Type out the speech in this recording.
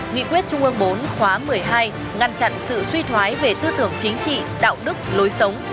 nghị quyết trung ương bốn khóa một mươi hai ngăn chặn sự suy thoái về tư tưởng chính trị đạo đức lối sống